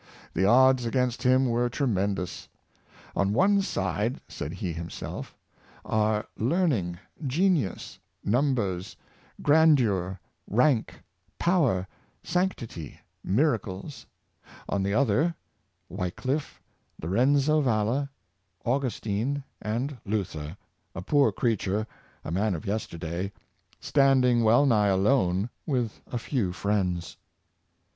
The odds against him were tre mendous. " On one side," said he himself, " are learn ing, genius, numbers, grandeur, rank, power, sanctity^ miracles; on the other Wycliffe, Lorenzo Valla, Au gustine, and Luther — a poor creature, a man of yes Lutlier Before the Diet, 455 terday, standing well nigh alone with a few friends."